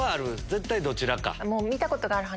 絶対どちらか？